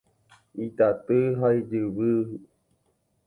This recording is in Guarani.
Itaty ha ijyvy.